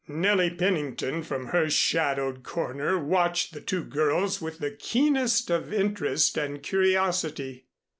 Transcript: Nellie Pennington, from her shadowed corner, watched the two girls with the keenest of interest and curiosity.